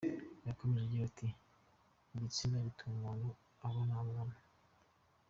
Yakomeje agira ati, Igitsina gituma umuntu abona abantu.